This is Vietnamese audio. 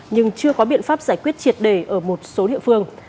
nhưng chưa có biện pháp giải quyết triệt đề ở một số địa phương